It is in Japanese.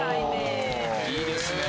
いいですね。